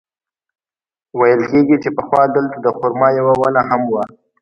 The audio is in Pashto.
ویل کېږي چې پخوا دلته د خرما یوه ونه هم وه.